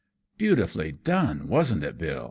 " Beautifully done, wasn't it. Bill